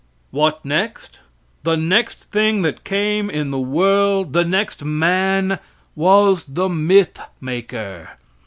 What next? The next thing that came in the world the next man was the mythmaker.